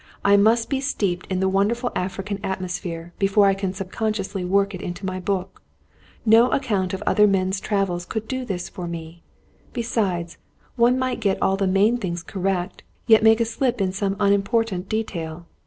"I must be steeped in the wonderful African atmosphere, before I can sub consciously work it into my book. No account of other men's travels could do this for me. Besides, one might get all the main things correct, yet make a slip in some little unimportant detail.